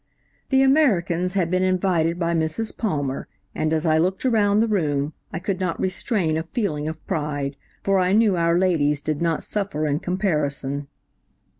"The Americans had been invited by Mrs. Palmer, and as I looked around the room I could not restrain a feeling of pride, for I knew our ladies did not suffer in comparison.